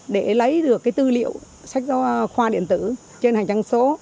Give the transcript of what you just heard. để lấy được cái tư liệu sách giáo khoa điện tử trên hành trang số